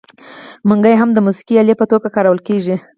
منګی هم د موسیقۍ الې په توګه کارول کیږي.